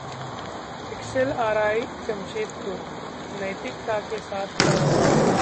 एक्सएलआरआइ-जमशेदपुर: नैतिकता के साथ कारोबार